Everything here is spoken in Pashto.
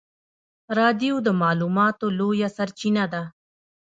رادیو د معلوماتو لویه سرچینه ده.